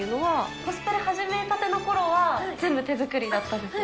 コスプレ始めたてのころは、全部手作りだったんですよね。